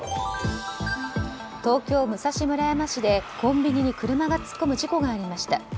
東京・武蔵村山市でコンビニに車が突っ込む事故がありました。